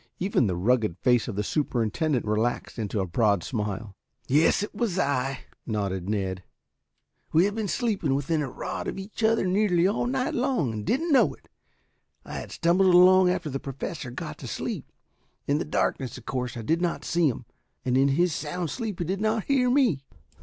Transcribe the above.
Even the rugged face of the superintendent relaxed into a broad smile. "Yes, it was I," nodded Ned. "We had been sleeping within a rod of each other nearly all night and didn't know it. I had stumbled along after the Professor got to sleep. In the darkness of course I did not see him, and in his sound sleep he did not hear me."